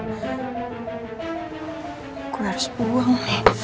aku harus buang